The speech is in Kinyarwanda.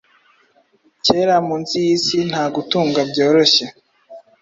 Kera munsi yisi nta gutunga byoroshye